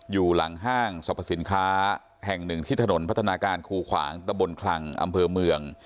อยู่หลังห้างสรรพสินค้าแห่งหนึ่งที่ถนนพัฒนาการคูขวางตะบนคลังอำเภอเมือง